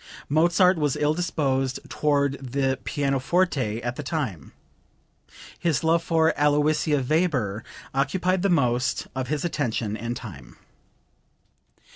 Mozart was ill disposed toward the pianoforte at the time. His love for Aloysia Weber occupied the most of his attention and time.)